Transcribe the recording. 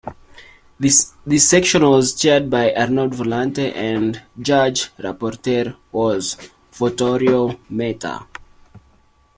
This section was chaired by Arnaldo Valente and the Judge-Rapporteur was Vittorio Metta.